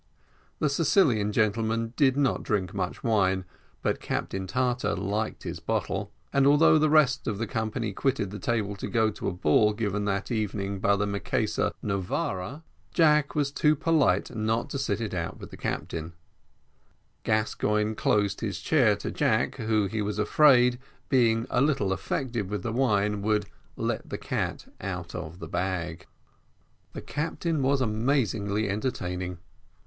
The Sicilian gentlemen did not drink much wine, but Captain Tartar liked his bottle, and although the rest of the company quitted the table to go to a ball given that evening by the Marquesa Novara, Jack was too polite not to sit it out with the captain: Gascoigne closed his chair to Jack's, who, he was afraid, being a little affected with the wine, would "let the cat out of the bag." The captain was amazingly entertaining.